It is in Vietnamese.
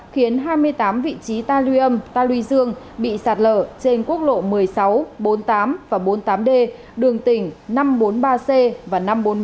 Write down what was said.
khiến hai mươi tám vị trí talium taluy dương bị sạt lở trên quốc lộ một mươi sáu bốn mươi tám và bốn mươi tám d đường tỉnh năm trăm bốn mươi ba c và năm trăm bốn mươi bốn